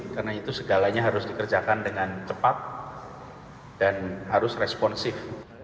karena itu segalanya harus dikerjakan dengan cepat dan harus responsif